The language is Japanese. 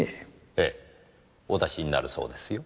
ええお出しになるそうですよ。